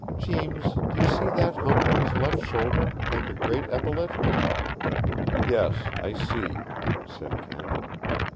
Jeems, do you see that hump on his left shoulder, like a great epaulet?" "Yes, I see," said Kent.